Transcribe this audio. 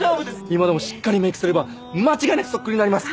今でもしっかりメークすれば間違いなくそっくりになります！